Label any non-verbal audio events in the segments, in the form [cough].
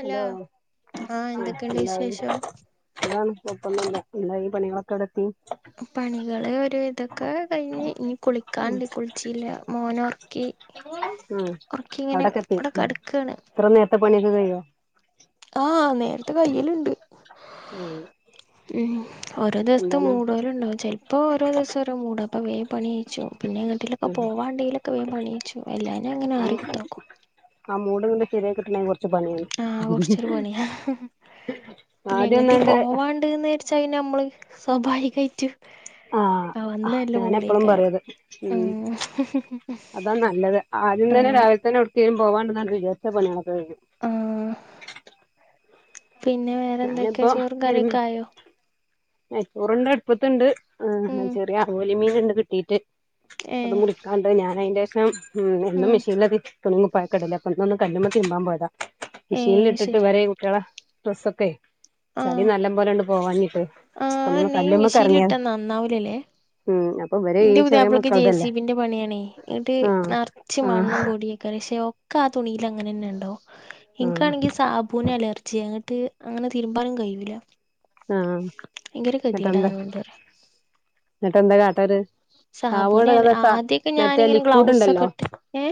Hello ആഹ് എന്താ എന്തൊക്കെയുണ്ട് പണി വിശേഷം അതാണ് ഒപ്പൊന്ന എല്ല ഈ പണികളൊക്കെ എവടെത്തി പണികള് ഒരു വിതൊക്കെ കഴിഞ്ഞ് ഇനി കുളിക്കാണ്ട് കുളിച്ചില്ല മോനോറക്കി. ഉംഅവിടൊക്കെത്തി. കണ് ഇത്ര നേരത്തെ പണി ക്കെ കഴിഞ്ഞോ ആഹ് നേരത്തെ കയൽണ്ട്. ഉം ഉം ഓരോ ദിവസത്തെ എന്താണ് മൂടോലണ്ടാവും ചെലപ്പോ ഓരോ ദിവസംഓരോ മൂട അപ്പ വേ പണിയും ച്ചു പിന്നെ എങ്ങട്ടിലൊക്കെ ഉം പോവാണ്ടെങ്കലൊക്കെ വേ പണിയിച്ചു എല്ലാ ഞ്ഞാ അങ്ങനെ ആറികുതി രി ക്കും കുത്തിർക്കും ആഹ് മൂട്ങ്ങട്സെരിയായി കിട്ടണെ കുറച്ച് പണിയാണ് ആഹ് കുറച്ചൊരു പണിയാ പിന്നെ ആദ്യം എങ്ങിട്ട് ഒന്നാണ്ട് പോവാണ്ട്ന്ന് ക ചായിൻ ഞമ്മൾ സ്വാഭാവികമായിട്ട് ആഹ് ഞാനെപ്പഴും പറയത് ഉം അതാ നല്ലത് ആദ്യം തന്നെ ആഹ് രാവിലെ തന്നെ ഉടുത്തും പോവാണ്ടെന്ന വിചാരിച്ച പണിയളൊക്ക കഴിഞ്ഞു. ആഹ് പിന്നെ വേറെ ന്തൊക്കെയാ ചോറും കറിയൊക്കെ ആയോ ച്ചോറണ്ട് അടുപ്പത്തിണ്ട് ഉം ചെറിയ അവോലി മീൻ കിട്ടി ഏ അത് കുടിക്കാണ്ട് ഞാൻ അതിന്റെ ശേഷം ഉ ഒന്നും ഉം മെഷീനലത്- തുണുങ്ങി പായക്കടില്ലേ അപ്പൊന്ന് കല്ലുമൊക്ക തിരുമ്പാൻ പോയതാ ഏ മെഷീലിട്ടിട്ട് ശരി വര കുട്ടികളെ ക്കെ ചളി നല്ല പോലെയണ്ട് പോവാഞ്ഞിട്ട് ആ അപ്പൊ ഒന്ന് ണീ കല്ലുമ്മക്ക് എറങ്ങിയതാ മിഷീയിലിട്ടന്നന്നാവുല ല്ലേ ഉം അപ്പൊ ഇവരെ ഇന്റെ പുതിയപ്പളക്ക് ജേസിബിന്റെ പണിയാണേ എന്നിട്ട് ആഹ് നിറച്ച് ആഹ് മണ്ണും പൊടിയെ ശ ഒക്കെ ആ തുണിൽ അങ്ങനെ തന്നെ ഉണ്ടോ ആഹ് നിനിക്കാണെങ്കിൽ സാബൂന് അലർജി അങ്ങ്- ത് അങ്ങനെ തീരുമ്പാനും കഴിയുല്ല ആഹ് ന്ന്ട്ടന്താ അതോണ്ട് പറയാ ന്നിട്ടെന്താ കാട്ടര് സാബൂന് സാവോൾഡ് അല്ലാതെ സ ആദ്യൊക്കെ മറ്റേ ഞാനിങ്ങനെ ലിക്വിഡ് ഗ്ലൗസൊക്കെ ഉണ്ടല്ലോ ഇട്ട് ഏ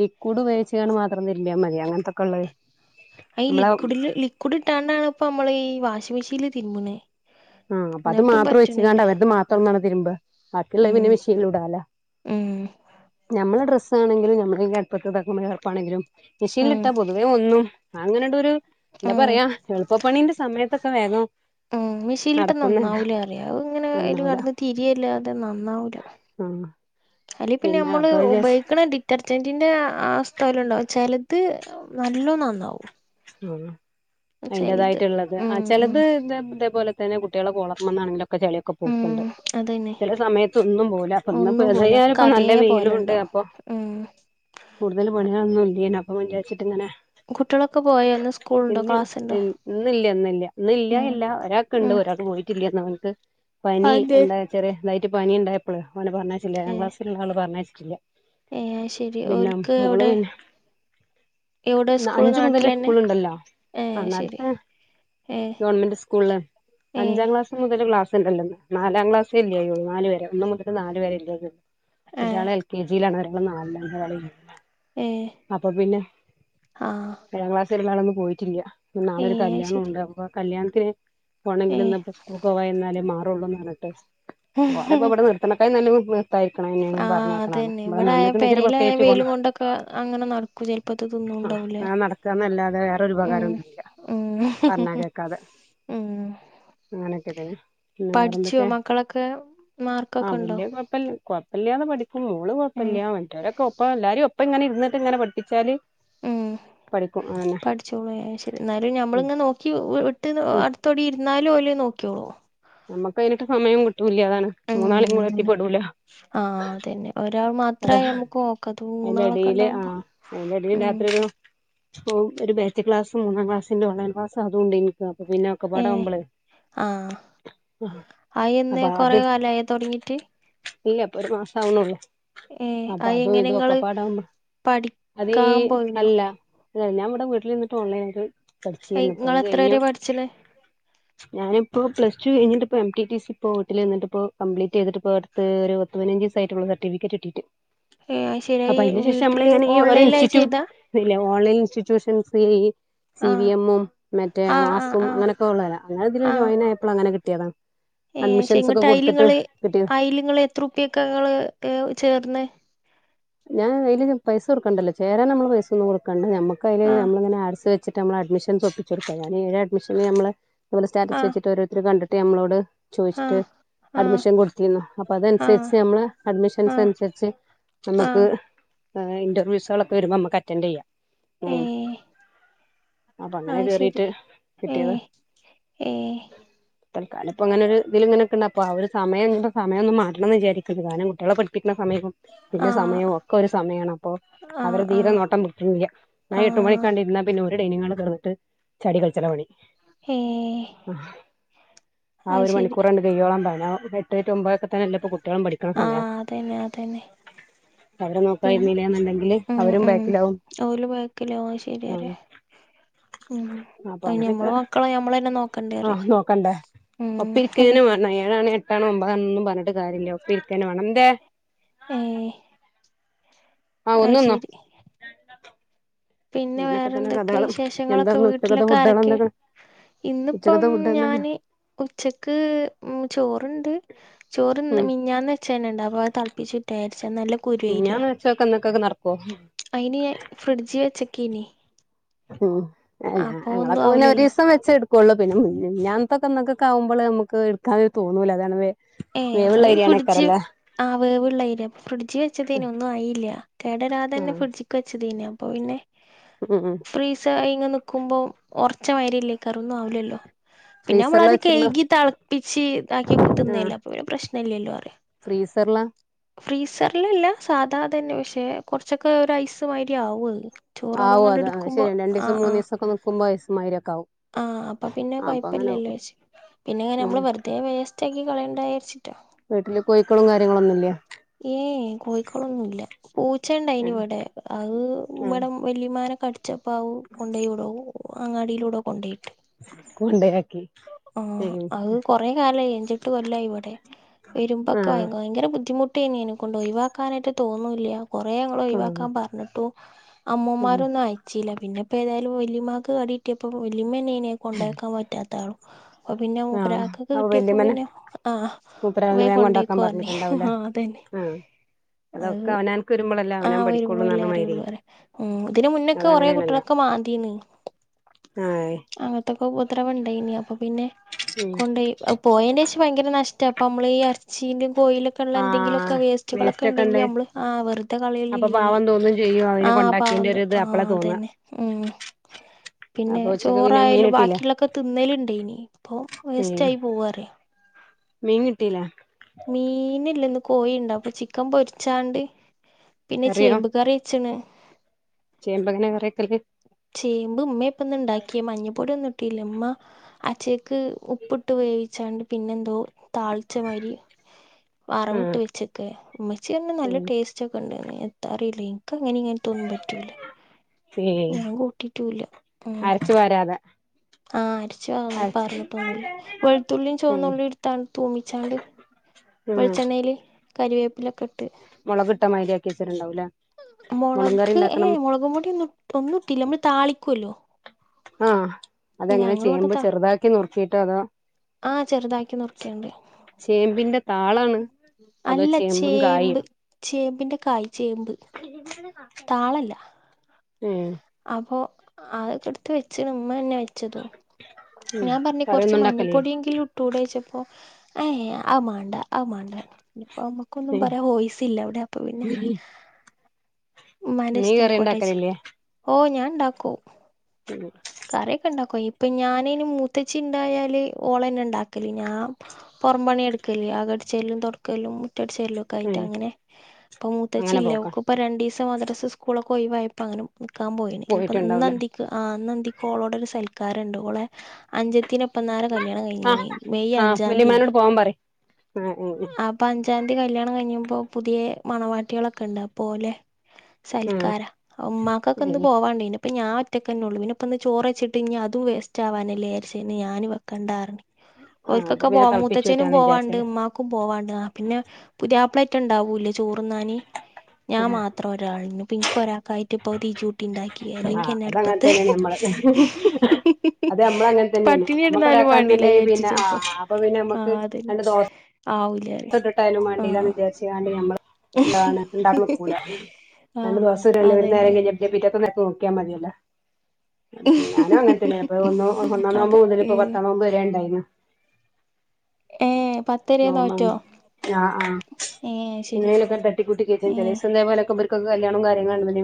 ലിക്വിഡ് ഉപോഗിച്ചുകാണ്ട് മാത്രം തിരിബ്യമതി അങ്ങനത്തക്ക ഉള്ളത് ഈ നമ്മളെ ലിക്വിഡില് ലിക്വിഡ് ഇട്ടാണ്ടാണ് ഇപ്പോ നമ്മള് ഈ വാഷിംഗ് മെഷീനിൽ തിരുബ്ണ് ആഹ് അപ്പ അത് മാത്രം വെച്ച്കാണ്ട് അവരത് മാത്രംന്നാണ് തിരുമ്പാ ബാക്കിയുള്ളത് ഉം പിന്നെ മെഷീൻല് ഇടാല ഉം നമ്മളെ ഡ്രസ് ആണങ്കിലും നമ്മള് ഈ അടുപ്പത്ത്ദാക്കുമ്പോഴും വിയർപ്പാണങ്കിലും ഉം മിഷീനിൽട്ടാ പൊതുവേ ഒന്നു അങ്ങനെയണ്ടരു എന്താ ഉം പറയാ എളുപ്പപ്പണിന്റെ സമയത്തൊക്കെ വേഗം ഉം മിഷ് നിലിട്ട് നടക്കുന്നല്ല നന്നാവൂല അറിയ അത് ഇങ്ങനെ അയിൽ നന്നാവൂല കടന്ന് തിരിയല്ലാതെ നന്നാവൂല ആഹ് അല്ലങ്കി പിന്നെ നമ്മള് അപ്പൊ വിചാരിച്ച് ഉപയിക്കണ ഡിറ്റ് ഡിറ്റർജന്റിൻ്റെ ആസ്ഥല ഉണ്ടാവും ചിലത് നല്ലോ നന്നാവും ആഹ് ചെലത് അതിന്റതായിട്ടുള്ളത് ഉം ആഹ് ഉം ചിലത് ഇത് ഇതേപോലെ തന്നെ കുട്ട്യാളെ കോളർമന്നാണ് ൻ്റൊക്ക ചെല ക്കെ ഉം പൂക്കുണ്ട് അതന്നെ ചില സമയത്തൊന്നും പോവുല അപ്പൊ ഇന്ന് പ്പോ ഒന്നും ഏതായാലും പ്പോ നല്ല വെയിലുണ്ട് അപ്പൊ മ് കൂടുതൽ പണികളൊന്നും ഇല്ലേന അപ്പം വിചാച്ചിട്ട ഇങ്ങനെ കുട്ടികളൊക്കെ പോയ ഇന്ന് സ് ഇല്ല ഇന്നില്ല ഇന്നില്ല ഇന്ന് ഉം ഇല്ലാകില്ല ഒരാൾക്ക്ണ്ട് ഉം ഒരാൾക്ക് പോയിട്ടില്ലന്ന് ഓൻക്ക് പനി അതെ എന്താ ചെറിയതായിട്ട് പനി ഇണ്ടായപ്പോള് ഒനെ പറഞ്ഞയച്ചില്ല ഏ എഴാം ക്ലാസ്സിലുള്ള ആള് പറഞ്ഞയച്ചിട്ടില്ല ഏ അത് ശരി പിന്നെ ഓൽക്ക് മോള് എവിടെ പിന്നെ എവിടെ സ്കൂൾ നാട്ട ചെലെ സ്കൂള്ണ്ടല്ലൊ ആ ന്നാട്ട്ത്തെ ഏ ഗവൺമെൻ്റ് സ്‌കൂൾല് ഏ അഞ്ചാം ക്ലാ ക്സ് മുതല് ക്ലാസ് ഉണ്ടല്ലോന്ന് നാലാം ക്ലാസേ ല്ലാകയോള്ളു നാല് വരെ ഒന്നും മുതൽ നാല് വരെ ഇല്ലാകയുള്ളു ആ ഒരാള് എൽ കെ ജിയിലാണ് ഒരാള് നാലാണ് ഒരാള് യു ഏഹ് ആഹ് ഏഴാം ക്ലാസിലുള്ള ആളൊന്നും പോയിട്ടില്ല നാളെ ഏ ഒരു അത് ശരി കല്യാണുണ്ട് അപ്പൊ ആ കല്യാണത്തിന് പോണെങ്കിൽ ഏഹ് ന്നാ പോ സ്കൂൾക്ക് പോവായിരുന്നു എന്നാലേ മാറുള്ളൂന്ന് പറഞ്ഞിട്ട് ഓരപ്പോ ഇവിടെ നിർത്തണ കായ്യില് നല്ലാത് ആഹ് അതന്നെ ഇവിടെ ആയ ഇച്ചിരി പെരയിലായ പ്രത്യേകിച്ച് ഗുണ വെയിലും കൊണ്ടൊക്കെ അങ്ങനെ നട ആ വലിപ്പത്തുതോന്നുണ്ടാവില്ല അങ്ങനെ നടക്കാന്നല്ലാതെ വേറൊരു ഉം ഉപകാരമൊന്നുമില്ല ഉം പറഞ്ഞാ കേക്കാതെ ഉം അങ്ങനെയൊക്കെ തന്നെ പിന്നെ പഠിചോ വേറെന്തൊക്കെ മക്കളൊക്കെ മാർക്കൊക്കെ ഉണ്ടോ ഴപ്പില്ല കുഴപ്പമില്ലാന്ന് പഠിക്കും മോള് ഏഹ് കുഴപ്പില്ല മറ്റരൊക്കെ ഒപ്പ എല്ലാരും ഒപ്പം ഇങ്ങനെ ഇരിന്നിട്ട് ഇങ്ങനെ പഠിപ്പിച്ചാല് മ് പഠിക്കും അതന്നെ പഠിച്ചോളൂ ശരി എന്നാലും ഞമ്മള് ഉം ങനെ നോക്കി വിട്ട് ഉം അടുത്തോടി ഇരുന്നാലും ഓല് നോക്കിയോളൂ നമ്മുക്കയിനായിട്ട് സമയം കിട്ടൂല്ല അതാണ് ഉം മൂന്നാളികൂടെ എത്തി അതന്നെ പെടൂല ആഹ് അതന്നെ ഒരാൾ മാത്രായി മ്മുക്ക് നോക്ക ത് അയിന്റെ മൂന്നാളൊക്കെ ഉണ്ടാവുമ്പോ ഉം ഓഹ് ഒരു ബാച്ച് ക്ലാസ് മൂന്നാം ക്ലാസ്സിന്റെ ഓൺലൈൻ ക്ലാസ് അതുണ്ട് എനിക്ക് അപ്പൊ പിന്നെ ഒക്കെ ഏഹ് പാടമ്പളേ ആഹ് അയെന്ന് അപ്പൊ അത് കൊറെ കാലയോ തുടങ്ങിട്ട് ഇല്ല ഇപ്പൊ ഒരു മാസം ആവണള്ളൂ ഏഹ് അപ്പൊ അതും അയെങ്ങനെ ഇതും ഇങ്ങള് ഒക്കെപാടാവുമ്പ അതീ പഠിക്കാൻ പോയിനോ അല്ല അല്ല ഞാൻ ഇവിടെ വീട്ടില് നിന്നിട്ട് ഓൺലൈനായിട്ട് അയ് പഠിച്ചിരുന്നു ഇങ്ങള് ഇപ്പത് എത്ര വരെ കഴിഞ്ഞു പഠിച്ച്ണ് ഞാനിപ്പോ പ്ലസ് ടു എന്നിട്ടിപ്പോ എം ടി ടി സി പ്പോ വീട്ടിൽ നിന്നിട്ട്പ്പോ കപ്ലീറ്റ് ചെയ്തിട്ടപ്പോ അടുത്ത് ഒരു പത്തുപതിനഞ്ച് ദിസായിട്ടുള്ളു സർട്ടിഫിക്കറ്റ് കിട്ടിട്ട് ഏ അത് ശരി അപ്പൊ അയ് അതിന് ശേഷം നമ്മള് വീട്ടില് ഇങ്ങനെ ഈ ഒരോ ഓൺലൈനിലായി ഇൻസ്റ്റിറ്റ്യൂട്ട് ചെയ്താ ഇല്ല ഓൺലൈൻ ഇൻസ്റ്റിറ്റ്യൂഷൻസ് ഈ സി വി ആഹ് എമ്മും മറ്റേ ആഹ് ആഹ് മാസും ആഹ് അങ്ങന ഓൺലൈൻ അങ്ങന ഇതില് ജോയിൻ ആയപ്ല അങ്ങനെ കിട്ടിയതാണ് ഏഹ് പക്ഷെ ഇങ്ങട്ട് ആയിലിങ്ങള് കിട്ടിയത് ആയിലിങ്ങള് എത്രപ്പ്യക്കാ ങ്ങള് ചേർന്ന് ഞാൻ അതില് പൈസ കൊടുക്കണ്ടല്ലോ ചേരാൻ നമ്മള് പൈസ ഒന്നും കൊടുക്കണ്ട നമ്മക്ക് അതില് ആഹ് നമ്മളിങ്ങനെ ആഴ്സ് വേ ച്ചിട്ട് ഞമ്മള് അഡ്മിഷൻകൊപ്പിച്ചൊട്ക്ക ഞാന് ഏഴ് അഡ്മിഷന് ഞമ്മള് സ്റ്റാറ്റസ് [unintelligible] ആഹ് വെച്ചിട്ടോരോരുത്തര് കണ്ടിട്ട് ഞമ്മളോട് ചോയ്ച്ചിട്ട് ആഹ് ആഹ് അഡ്മിഷൻ കൊട്ത്തിര്ന്നു അപ്പൊ ആഹ് അതൻസരിച്ച് ഞമ്മള് ആഹ് അഡ്മിഷൻസൻര്ച്ച് നമ്മക്ക് ആഹ് ഏഹ് ഇന്റെർവ്യൂസാെളൊക്കെ വരുമ്പം അമ്മക്ക് അറ്റെൻഡെയ്യാ ഏഹ് അപ്പൊ അങ്ങനെ ആയ്ശെരി കേറിട്ട് ഏഹ് കിട്ടിയതാ ഏഹ് തൽക്കാലം ഇപ്പങ്ങെനൊര് ഇതില് ഇങ്ങ്ന്ക്ക്ണ്ട് അപ്പോ ആഹ് ഒര് സമയം സമയൊന്ന് മാറ്റണംന്ന് വിചാരിക്ണ്ട് കാര്ണം കുട്ട്യേളെ പഠിപ്പിക്ക്ണ സമയും തിന്റെ ആഹ് സമയും ഒക്കാെര് സമയാണ് അപ്പൊ ആഹ് അവരെ തീരെ ആഹ് നോട്ടം [unintelligible] ഞാൻ എട്ട് ആഹ് മണിക്കാണ്ട് ഇര്ന്നാ പിന്നെ ഓര് ഡെയ്നിങ്ങാളിൽ കേറീട്ട് ചാടികൾച്ചലാ പണി ഏ ആഹ് ആ അത് ഒര് ശരി മണിക്കൂറാണ്ട് [unintelligible] ഞാൻ ഇപ്പ എട്ടേ റ്റു ഒമ്പതൊക്കെ തന്നെല്ലെപ്പോ കുട്ട്യേളും പഠിക്ക്ണ സമയം തെന്നാ തെന്നെ അവരെ ഇന്ന് നോക്കായിരുന്നില്ലാന്നുണ്ടെങ്കില് ഉം അവരും ഉം ബാക്കിലാവും ഓല് ബേക്കിലാവും ശെര്യാലേ ഉം ഉം അപ്പൊ അത് അങ്ങനെയൊക്കെ ഞമ്മളെ മക്കളെ ഞമ്മളെന്നെ നോക്കെണ്ടെ അറ്യാ ആഹ് നോക്കണ്ടേ ഒപ്പം ഇരിക്കെന്നെ മാണം ഏഴാണോ എട്ടാണോ ഒമ്പതാണോന്നും പർഞ്ഞിട്ട് കാര്യല്ല ഒപ്പരിക്കെന്നെ മാണം ന്തെ ഏഹ് ആഹ് ഒന്ന്ന്നോ അത്ശെരി പിന്നെ അങ്ങനൊക്കെ തന്നെ വേറെന്തൊക്കെ കഥകള് വിശേഷങ്ങളൊക്കെ എന്താന്ന് ഉച്ചക്കത്തെ വീട്ടിലൊക്കെ ഫുഡുകൾ ആരൊക്കെ എന്തൊക്കെ ഇന്ന്പ്പം ഉച്ചക്കത്തെ ഫുഡ് എന്തെന്നാ ഞാന് ഉച്ചക്ക് ഉം ചോറ്ണ്ട് ചോറ് ന്ന് ഉം മിഞ്ഞാന്ന് ച്ചെന്നെണ്ട് അപ്പ അത് തൾപ്പിച്ചുറ്റാചാര്ച്ച് അത് നല്ല് മിഞ്ഞാന്ന് വെച്ചൊക്കെ ഇന്നക്കെക്ക് നടക്ക്വോ അയ്ന് ഞൻ ഫ്രിഡ്ജ് വെച്ചെക്കേന്നി ഉം ഞാ ഒന്നും ഞങ്ങളൊക്കെ പിന്നെ ആവൂലല്ലോ ഒരീസം വെച്ചെട് ക്കൊള്ളു പിന്നെ മിഞ്ഞാന്ന്ത്തൊക്കെ ഇന്നത്തക്കക്ക് ആകുമ്പള് നമുക്ക് ഇട്ക്കാന് തോന്നൂല അതാണ് വേ ഏഹ് വേവുള്ള അങ്ങളീ ഫിഡ്ജ് അരിയാണേക്കാരല്ലേ ആഹ് വേവ്ള്ളയ്ര്യാ ഫ്രിഡ്ജ് വെച്ചതേനി ഒന്നും ആയില്ല്യാ കേടെരാതെന്നെ ആഹ് ഫ്രിഡ്ജ് ക്ക് വെച്ചെതീനി അപ്പാെ പിന്നെ ഉം ഉം ഫ്രീസായിങ്ങെ നിക്കുംമ്പം ഒർച്ചെ മായ്രില്ലെയ്കാർ ഒന്നും ആവൂലല്ലോ പിന്നെ ഫ്രീസറില് ഞമ്മളത് വെച്ചിരുന്ന കയ്കി തൾപ്പിച്ച് ഇതാക്കി ആഹ് തിന്നല്ലേ അപ്പ പിന്നെ പ്രശ്ന ഇല്ല്യല്ലോ അറ്യാ ഫ്രീസറില് ഫ്രീസർലല്ല സാധാ തന്നെ പക്ഷെ കൊർച്ചൊക്കെ ഒര് ഐസ് മായ്രി ആവും അത് ചോറ് ആവും നമ്മളങ്ങാണ്ട് അത് അത് എടുക്കുമ്പോ ശെരിയെന്നെ രണ്ടീസം ആഹ് ആഹ് മൂന്നീസൊക്കെ നിക്കുംമ്പം ഐസ് മായ്ര്യൊക്കാവും ആഹ് അപ്പ പിന്നെ കൊയ്പ്പല്ല്യല്ലോര്ച് പിന്നെങ്ങെനെ ഉം മ്മള് വെർതെ വേസ് റ്റാക്കി കളയണ്ടായാര്ച്ചിട്ടാ വീട്ടില് കോയിക്കളും കാര്യങ്ങളൊന്നുല്ലേ ഏഹ് എഹ് കോഴിക്കളൊന്നുല്ല ആഹ് പൂച്ചണ്ടായ്നിവെടെ അത് ആഹ് വെടെ വല്ലിമ്മാനെ കടിച്ചപ്പം അവും കൊണ്ടാേയി ഒവ്ടോ അങ്ങാടീലൊവ്ടാേ കൊണ്ടേയ് കൊണ്ടേ ആഹ് അത് കൊറേ കാലായി അഞ്ചെട്ട് കൊല്ലായി വെടെ വെരുമ്പാെക്കെ ആഹ് ഭയ് ഭയര ബുദ്ധിമു ട്ടേനി അയ്നെക്കൊണ്ട് ഒയ്‌വാക്കാനെറ്റെ തോന്നൂല്യ കാെറേ ഞങ്ങള് ആഹ് ഒയ്‌വാക്കാൻ പർഞ്ഞ്ട്ടും ആഹ് അമ്മാേമാരൊന്നും അയ്ച്ചീല പിന്നെ ഇപ്പൊ ഏതാലും വെല്ലിമ്മാക്ക് കടി കിട്ടീയപ്പോ വെല്ലിമ്മെന്നേനി നേ കൊണ്ടായാക്കാൻ പറ്റാത്ത ആളും അപ്പൊ പിന്നെ ആഹ് മൂപ്പരാക്കെക്കെ അപ്പൊ കിട്ട്യപ്പോ വല്യമ്മനെ പിന്നെ ആഹ് മൂപ്പരാളിനെ വേം വേഗം കൊണ്ടാക്കാൻ കൊണ്ടാെയ്ക്കോർഞ്ഞ് പറഞ്ഞിട്ടുണ്ടാവൂലേ ആഹ് അത് അതന്നെ ആഹ് അല്ല ഒക്കെ അവനാ ൻക്ക് വര്മ്പളല്ലെ ആഹ് വരുമ്പയല്ലേ അറിയാെള്ളൂറ്യാ ഉം ഇതിന് മുന്നൊക്കെ കൊറേ അതങ്ങനെയാണല്ലോ കുട്ട്യോളൊക്കെ മാന്തീണ് ആഹ് അങ്ങൻത്തൊക്കെ ഉപദ്രവണ്ടേയ്നി അപ്പൊ പിന്നെ ഉം കൊണ്ടേയ് അത് പോയേനേഷം ഭയങ്കര നഷ്ടാ ഇപ്പം മ്മളീ എർച്ചീന്റേം കോഴീല് ഒക്കള്ള എന്തെങ്കിലുക്കെ ആഹ് വേസ്റ്റുകളൊക്കെണ്ടെങ്കിൽ വേസ്റ്റൊക്കെണ്ട് നമ്മള് ആ വെറുതെ അപ്പൊ കളിയനില്ലിനി പാവം തോന്നും ചെയ്യും ആ അവനെ കൊണ്ടാക്കിയന്റെ പാവന്തോ ഒരു ഇത് ആ അപ്പളാ തോന്നാ അതന്നെ ഉം പിന്നെ അപ്പൊ ഉച്ചക്ക് പിന്നെ മീൻ ചോറായാലും കിട്ടീല്ലേ ബാക്കിയുള്ളൊക്കെ തിന്നലുംണ്ട് യ്നി ഇപ്പോം വേസ്റ്റ് ഉം ആയി പോവാ പറയും മീൻ കിട്ടീല മീൻ ഇല്ല ഇന്ന് കോഴിണ്ട് അപ്പൊ ചിക്കൻ പൊരിച്ചാണ്ട് പിന്നെ കറിയോ ചേമ്പ് കറി ഛിണ് ചേമ്പങ്ങനെ കറി വെക്കല് ചേമ്പ് ഉമ്മ ഇപ്പൊന്നു ണ്ടാക്കിയ മഞ്ഞപ്പൊടിയൊന്നും ഇട്ടീല്ല ഉമ്മ അച്ചക്ക് ഉപ്പിട്ട് വേവിച്ചാണ്ട് പിന്നെന്തോ താളിച്ച മാതിരി വറവിട്ട് ആഹ് വെച്ച് കേ ഉമ്മച്ചിറിഞ്ഞു നല്ല ഉം ടേസ്റ്റ് ഒക്കെ ഉണ്ടന്ന് എത്താറിയില്ലേ എനക്ക് അങ്ങനെ ഇങ്ങനെ തോന്നും പറ്റൂല. ഫൈ ഞാൻ കൂട്ടിട്ടുല്ല ഉം അരച്ചു പാരാതെ ആഹ് അരിച്ചു അരച്ച് പാർന്നിട്ടൊന്നുമില്ല വെളുത്തുള്ളിയും ഉം ചോന്നള്ളി എടുത്താണ്ട് തൂമിച്ചാണ്ട്. ഉം വെളിച്ചെണ്ണയിൽ കറിവേപ്പിലൊക്കെ ഇട്ട് മുളകിട്ടമാരിആകിച്ചിട്ടണ്ടാവുല്ലേ. മുളക് ഏ മുളക് പൊടിയ ഒന്നും ഒന്നും ഇട്ടില്ല നമ്മള് താളിക്കുവല്ലോ ആഹ് അതെങ്ങനെ ഞങ്ങളിവിടെ ചേമ്പ് താ ചെറുതാക്കി നുർക്കീട്ടോ അതോ ആഹ് ചെറുതാക്കി നുറുക്കിയാണ്ട് ചേമ്പിന്റെ താളാണ് അതോ അല്ല ചേമ്പും ചേമ്പ് കായും ചേമ്പിന്റെ കായ് ചേമ്പ്. ഏന്നാണ് താളല്ല ഉം അപ്പോ അതൊക്കെടുത്ത് വെച്ച്ണ് മ്മന്നെ വെ ച്ചതും ഉം ഞാൻ പറഞ്ഞ കുറച്ച് കറിയൊന്നും ഉണ്ടാക്കലില്ലേ മഞ്ഞപ്പൊടിയെങ്കിലും ടുഡേ ചോയിച്ചപ്പോ ഏ ആത് മാ ണ്ട ആത് മാണ്ട ഇപ്പമ് - ഒന്നും ഉം പറയാ വോയിസില്ലവിടെ അപ്പൊ പിന്നെ ഉമ്മാന്റെ നീ കറി ഇഷ്ടംആയിക്കോട്ടേച്ച് വച്ച് ഉണ്ടാക്കലില്ലേ ഓ ഞാൻ ഉണ്ടാക്കു ചു ച്ച കറിക്കെ ഉണ്ടാക്കോ ഇപ്പൊ ഞാനന് മുത്തച്ചി ണ്ടായാല് ഓളന്നെ ണ്ടാക്കല് ഞാൻ പുറം പണി എടുക്കലേ അകടിച്ചലും തൊടക്കലും മുറ്റടിചെലുംക്കെയിട്ട് ഉം അങ്ങനെ തുപ്പൊ അങ്ങനെ മൂത്തച്ചില്ല പോക്കാ അവക്കും ഇപ്പൊ രണ്ട് ദിവസം മദ്രാസും സ്കൂളൊക്കെ ഓയവായപ്പോ അങ്ങനെ നിൽക്കാൻ പോയിണ് ഇനിയിപ്പോ പോയിട്ടുണ്ടാവൂലേ ഇന്നന്ദിക് ആ ഇന്നാ ന്ധിക് ഓളോട ഒരു സൽക്കാരണ്ട് ഓളെ അൻജതി ത്തിപ്പന്നാള് കല്യാണം ആഹ് കഴിഞ്ഞീന്ന് മെയ് ആഹ് അഞ്ചാം തീയതിന് വല്യമ്മാനോട് പോവാൻ പറയ് ആഹ് ഉം ഉം അപ് പഞ്ചാന്തി കല്യാണം കഴിഞ്ഞ്പൊ പുതിയ മണവാട്ടികളൊക്കെ ഉണ്ട്അപ്പൊ ഓലെ ഉം സൽക്കാരാ ഉമ്മാക്കൊക്കെന്ന് ഉം പോവാണ്ടേനി ഇപ്പൊ ഞാൻ ഒറ്റക്കന്നെ ഉള്ളൂ പിന്ന ഇപ്പൊന്ന് ചോറ്ച്ചിട്ട് ഇനി അതും വേസ്റ്റ് ആവാനല്ലേരിച്ച ഞാൻ വെക്കണ്ടറിഞ്ഞു. ആഹ് അപ്പൊ ഓൽകൊക്കെപോ പിന്നെ മൂത്തച്നും തിളപ്പിച്ചൂറ്റാന്ന് പോവാണ്ട് വിചാരിച്ചല്ലേ ഉമ്മാ ക്കും പോവാണ്ട് പിന്നെ പുതിയ പ്ലറ്റ് ഉണ്ടാവൂലേ ചോറുന്നാന് ഞാൻ മാത്രഒറ്റ ഒരാള പിൻ ഒരാൾക്കായിട്ട് ഇപ്പൊ തീച്ചൂട്ടി ഉണ്ടാക്കി അല്ലെങ്കിന്നെ അടുപ്പത്ത് അഹ് ശരിഹ് ഹ് ഹാ അതെ നമ്മള അങ്ങനെ തന്നെയന്ന പട്ടിണി നമ്മക്ക കിടന്നാലും വേണ്ടില്ല വിചാരിച്ചു ഒരാക്കാണെങ്കിപിന്നെ ആ ചെലപ്പോ അപ്പൊ പിന്നെ നമ്മുക്ക് രണ്ട് ദോ ആവുല്ലെ തൊട്ടട്ടായിലും വണ്ടില്ലന്നവിജാർച്ചു ങ്ങാണ്ട് നമ്മൾ ഇന്താണ് ഉണ്ടാക്കനിക്കൂല ആഹ് രണ്ട് ദോശ യുട ഒരു അതന്നെ നേരം കൈ ഞ്ഞ് പിറ്റത്തെ നേരംനോക്കിയൽ മതിയല്ലോ ഉം ഞാനും അങ്ങനത്തന്ന അപ്പൊ ഒന്നോ ഒന്നാം അത് നൊമ്പ് മുതല ഏ ഇപ്പ പത്താംനോമ്പ് വരെണ്ടായിരുന്നു. ഏ പത് നോമ്പാ ആഹ് ആഹ് ഏ ശരി എണ്ടേലൊക്കെ തട്ടിക്കൂട്ടി കേറ്റ ഏ ചെലേസംതെ പോലെക്കെ ബെർ കല്യാണോ കാര്ങ്ങളും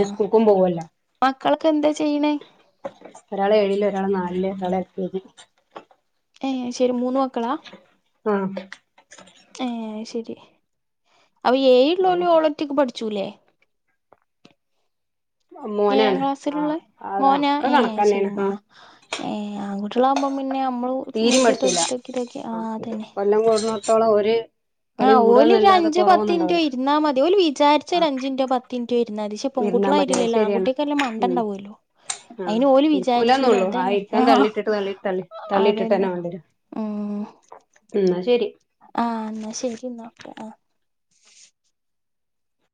[unintelligible] സ്കൂൾക്കും പോവല്ല മക്കളൊക്കെ എന്താ ചെയ്യണേ ഒരാള് ഏഴില് ഒരാള് നാലില് ഒരാള എൽ കെ ജി ഏയ് ശരി മൂന്ന് മക്കളാ ആഹ് ഏ ശരി അവ ഏഴള്ളോള് അങ്ങനെയൊക്കെ ഓലൊറ്റക്ക് പഠിച്ചുല്ലേ ഏഴാം മോനാണ് ക്ലാസ്സിലുള്ള ആഹ് അതാ മോന ഒക്കെ ഏ കണക്കന്നെയാണ് ശരിമ്മ ആഹ് ഏ അങ്ങോട്ടുള്ള ആകുമ്പോം പിന്നെ നമ്മള് തീരു മൂട്ടി മടിയില്ല തോക്കി തോക്കി തോക്കി ആ കൊല്ലംകൊട് മൊത്തം ഉള്ള ഒരു ആ കളി ഓല ഒരു കൂടാന്നല്ലാതെ അഞ്ച് പത്തിന്റെ കൊറവൊന്നുണ്ടാവൂല ഇരുന്നാൽ മതി ഓല് വിചാരിച്ച ആ ഒരു അഞ്ചിന്റെ പത്ത് ന്റെ ഇരുന്നാല് പക്ഷേ ഇരുന്നാ പെൺകുട്ടികൾ മതി അത് ആയിട്ടില്ലേ ശരിയാണ് ആൺകുട്ടികൾക്കല്ലേ മണ്ട ഉം ഉണ്ടാവുള്ളു ആഹ് ഇരിക്കൂലന്ന ഉള്ളൂ ആ ഇരിക്കാൻ ആഹ് തള്ളിട്ടിട്ട് തി തി തള്ളിയിട്ടിട്ട് അതന്നെ തന്നെ വണ്ടിരും എന്ന ശരി ആഹ എന്നാ ശരി എന്ന ഓക്കെ ആ